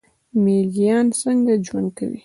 میږیان څنګه ژوند کوي؟